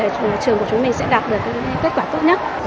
thì trường của chúng mình sẽ đạt được kết quả tốt nhất